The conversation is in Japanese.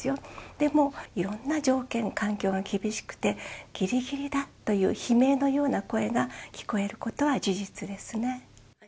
でも、いろんな条件、環境が厳しくて、ぎりぎりだという悲鳴のような声が聞こえることは事実ですね。